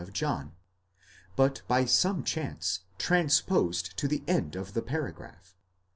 of John, but by some chance transposed to the end of the paragraph.